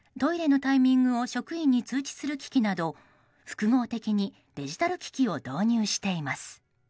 トイレのタイミングを職員に通知する機器など複合的にデジタル機器を導入しています。